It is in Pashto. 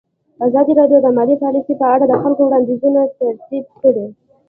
ازادي راډیو د مالي پالیسي په اړه د خلکو وړاندیزونه ترتیب کړي.